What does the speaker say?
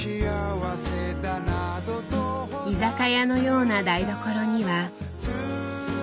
居酒屋のような台所には。